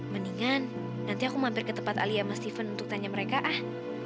mendingan nanti aku mampir ke tempat alia mas steven untuk tanya mereka ah